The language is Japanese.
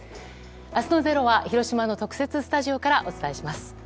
明日の「ｚｅｒｏ」は広島の特設スタジオからお伝えします。